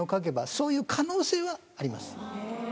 そういう可能性はあります。